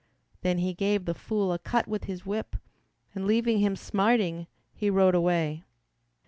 Then he gave the fool a cut with his whip And leaving him smarting, he rode away.